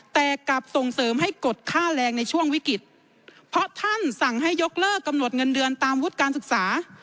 แต่กลับส่งเสริมให้กดค่าแรงในช่วงวิกฤตเพราะท่านสั่งให้ยกเลิกกำหนดเงินเดือนตามวุฒิการศึกษา